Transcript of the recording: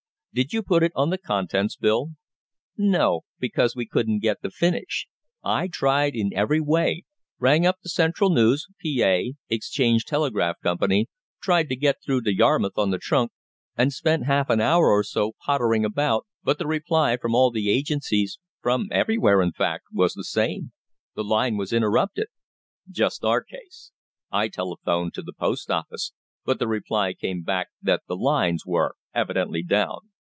Did you put it on the contents bill?" "No, because we couldn't get the finish. I tried in every way rang up the Central News, P.A., Exchange Telegraph Company, tried to get through to Yarmouth on the trunk, and spent half an hour or so pottering about, but the reply from all the agencies, from everywhere, in fact, was the same the line was interrupted." "Just our case. I telephoned to the Post Office, but the reply came back that the lines were evidently down."